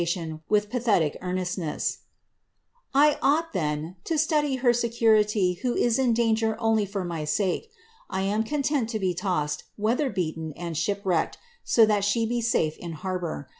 He conUnues hiB obsermtion with pathetic earnest new: —^ I ought, then, to study her security who is in danger only for my sake. I am content to be tossed, weather beaten, and shipwrecked, so that she be safe in harbour.